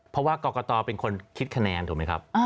เพราะว่ากรกตเป็นคนคิดคะแนนถูกไหมครับ